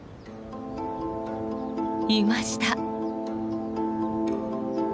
いました！